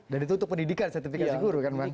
dan itu untuk pendidikan sertifikasi guru kan